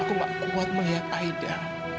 aku gak kuat melihat aida